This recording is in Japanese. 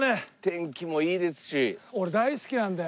天気もいいですし。